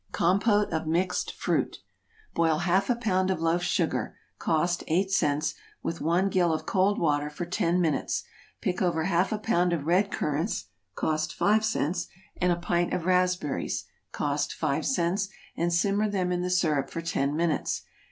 =Compôte of Mixed Fruit.= Boil half a pound of loaf sugar, (cost eight cents,) with one gill of cold water for ten minutes; pick over half a pound of red currants, (cost five cents,) and a pint of raspberries, (cost five cents,) and simmer them in the syrup for ten minutes.